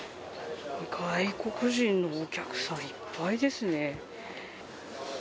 外国人のお客さんいっぱいですね。